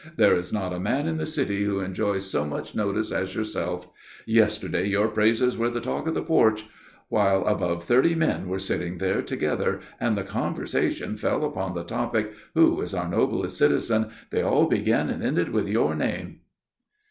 There is not a man in the city who enjoys so much notice as yourself. Yesterday your praises were the talk of the Porch. While above thirty men were sitting there together and the conversation fell upon the topic: "Who is our noblest citizen?" they all began and ended with your name.